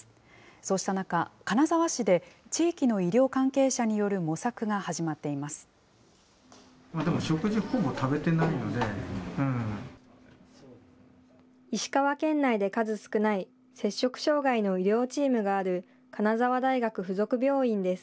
そうした中、金沢市で地域の医療関係者による模索が始まっています。